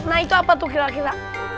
nah itu apa tuh kira kira